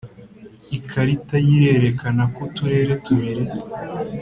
Ikarita ya irerekana ko uturere tubiri